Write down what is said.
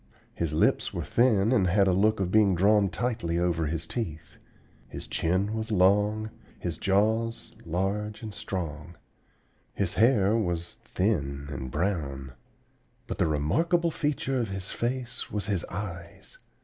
His lips were thin, and had a look of being drawn tightly over his teeth. His chin was long, his jaws large and strong. His hair was thin and brown. But the remarkable feature of his face was his eyes.